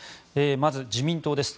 まず自民党です。